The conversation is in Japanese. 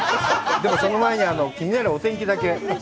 でも、その前に気になるお天気だけ。